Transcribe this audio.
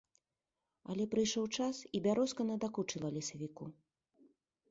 Але прыйшоў час, і бярозка надакучыла лесавіку.